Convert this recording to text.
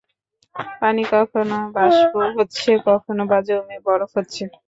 পানি কখনো বাষ্প হচ্ছে, কখনো বা জমে বরফ হচ্ছে।